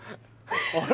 あれ？